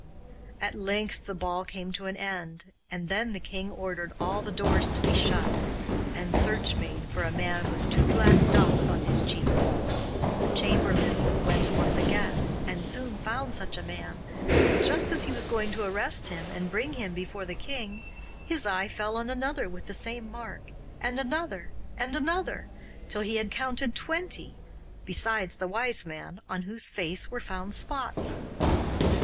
At length the ball came to an end, and then the king ordered all the doors to be shut, and search made for a man with two black dots on his cheek. The chamberlain went among the guests, and soon found such a man, but just as he was going to arrest him and bring him before the king his eye fell on another with the same mark, and another, and another, till he had counted twenty besides the Wise Man on whose face were found spots.